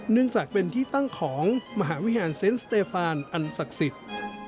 เนื่องจากเป็นที่ตั้งของมหาวิทยาลเซนต์สเตฟานอันศักดิ์สิทธิ์